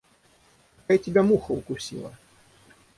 Какая тебя муха укусила?